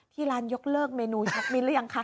ที่ร้านยกเลิกเมนูยกมิ้นหรือยังคะ